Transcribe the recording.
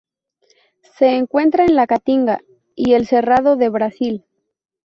Se encuentra en la Caatinga y el Cerrado de Brasil.